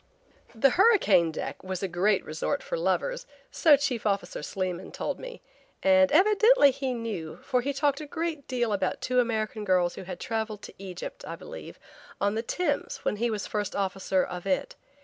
The hurricane deck was a great resort for lovers, so Chief Officer Sleeman told me; and evidently he knew, for he talked a great deal about two American girls who had traveled to Egypt, I believe, on the Thames when he was first officer of it.